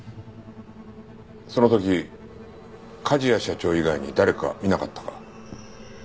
その時梶谷社長以外に誰か見なかったか？